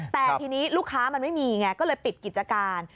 แต่ทีนี้ลูกค้ามันไม่มีไงก็เลยปิดกิจการ